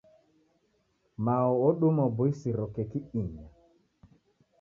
Mao oduma uboisiro keki inya.